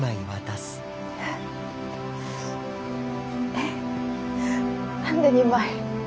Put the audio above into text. え何で２枚？